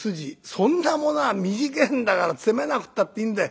「そんなものは短えんだから詰めなくったっていいんだよ。